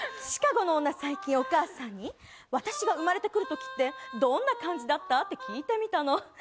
シカゴの女、最近お母さんに私が生まれてくるときって、どんな感じだった？って聞いてみたの。